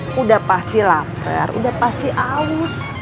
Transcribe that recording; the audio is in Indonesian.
sudah pasti lapar sudah pasti haus